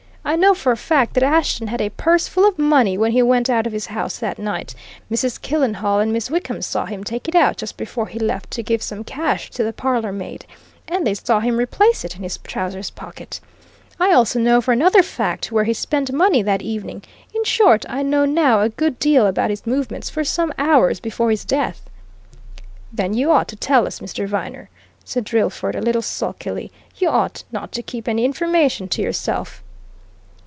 I know for a fact that Ashton had a purse full of money when he went out of his house that night Mrs. Killenhall and Miss Wickham saw him take it out just before he left to give some cash to the parlourmaid, and they saw him replace it in his trousers pocket; I also know for another fact where he spent money that evening in short, I know now a good deal about his movements for some hours before his death." "Then you ought to tell us, Mr. Viner," said Drillford a little sulkily. "You oughtn't to keep any information to yourself."